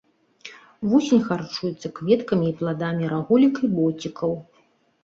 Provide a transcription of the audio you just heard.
Вусень харчуецца кветкамі і пладамі рагулек і боцікаў.